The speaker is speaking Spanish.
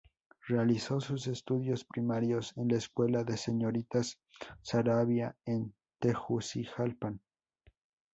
Realizó sus estudios primarios en la Escuela de Señoritas Saravia en Tegucigalpa.